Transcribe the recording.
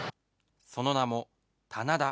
その名も、棚田。